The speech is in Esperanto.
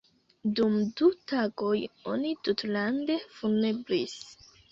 Dum du tagoj oni tutlande funebris.